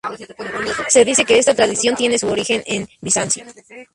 Se dice que esta tradición tiene su origen en Bizancio.